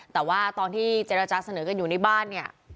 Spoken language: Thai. แต่ว่าตอนที่เจรจาเสนอกันอยู่ในบ้านเนี่ย